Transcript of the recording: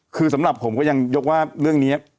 คือสำหรับผมก็ยังยกว่าเรื่องนี้